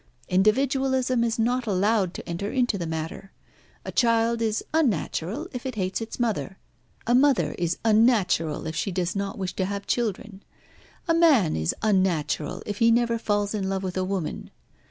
Individualism is not allowed to enter into the matter. A child is unnatural if it hates its mother. A mother is unnatural if she does not wish to have children. A man is unnatural if he never falls in love with a woman.